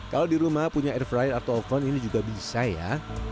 kalau di rumah punya air fryer atau ophon ini juga bisa ya